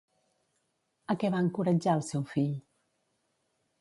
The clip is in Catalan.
A què va encoratjar el seu fill?